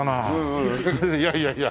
「いやいやいや」